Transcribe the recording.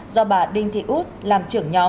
do bà đinh thị út làm trưởng nhóm